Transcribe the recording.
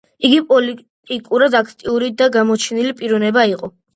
იგი პოლიტიკურად აქტიური და გამოჩენილი პიროვნება იყო.